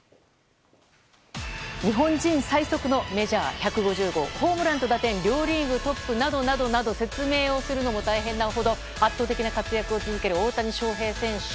日本人最速のメジャー１５０号ホームランと打点両リーグトップなどなど説明をするのも大変なほど圧倒的な活躍を続ける大谷翔平選手。